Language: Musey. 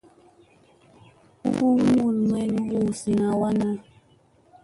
Bunni mulmi hu zimi wanna.